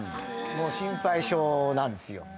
もう心配性なんですよ